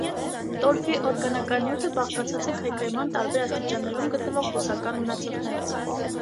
Տորֆի օրգանական նյութը բաղկացած է քայքայման տարբեր աստիճաններում գտնվող բուսական մնացորդներից։